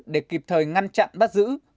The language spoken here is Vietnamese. để kịp thời ngăn chặn bắt giữ